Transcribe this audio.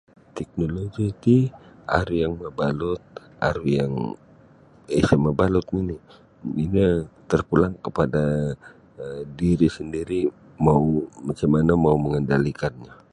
Teknoloji ti aru yang mabalut aru yang isa mabalut nini' ino terpulang kepada diri' sendiri' mau macam mana mau mengendali'kannyo.